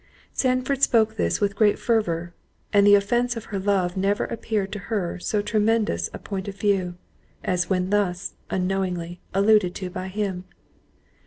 Sandford spoke this with great fervour, and the offence of her love never appeared to her in so tremendous a point of view, as when thus, unknowingly, alluded to by him.